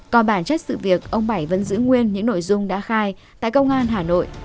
còn bản chất sự việc ông bảy vẫn giữ nguyên những nội dung đã khai tại công an hà nội